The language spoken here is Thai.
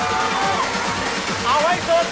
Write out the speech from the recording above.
เอาให้สุด